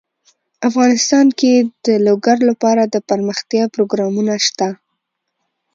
افغانستان کې د لوگر لپاره دپرمختیا پروګرامونه شته.